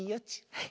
はい。